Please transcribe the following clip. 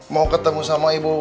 mau ketemu sama ibu